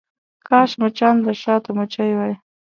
کاش مچان د شاتو مچۍ وی.